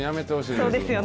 そうですよね。